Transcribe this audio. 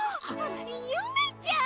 ゆめちゃん！